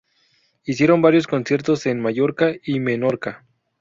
Hicieron varios conciertos en Mallorca y Menorca.